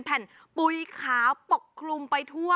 แก้ปัญหาผมร่วงล้านบาท